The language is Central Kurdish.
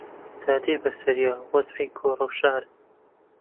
جا دێ بەسەریا وەزعی گۆڕەوشار